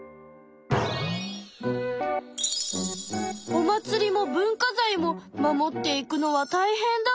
お祭りも文化財も守っていくのはたいへんだ！